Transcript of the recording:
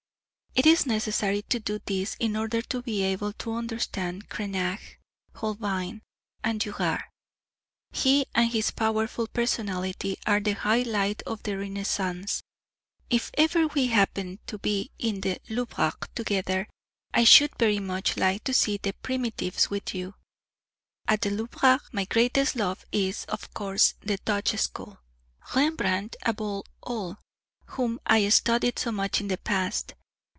It is necessary to do this in order to be able to understand Cranach, Holbein and Dürer. He and his powerful personality are the high light of the Renaissance. If ever we happened to be in the Louvre together I should very much like to see the Primitives with you. At the Louvre my greatest love is, of course, the Dutch school, Rembrandt above all, whom I studied so much in the past.